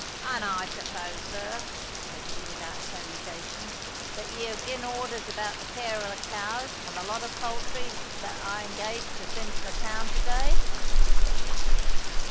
"An' I suppose, sir," said he without salutation, "that ye have gi'en orders about the care o' the cows and the lot o' poultry that I engaged to send to the town to day?"